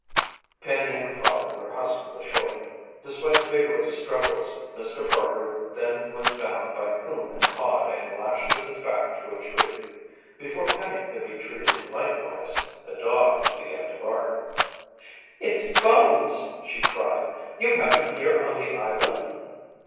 Penny and her father were hustled ashore. Despite vigorous struggles, Mr. Parker then was bound by Coon and Hod and lashed with his back to a tree. Before Penny could be treated likewise, a dog began to bark. "It's Bones!" she cried. "You have him here on the island!"